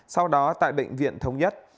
sau đó tại bệnh viện thống nhất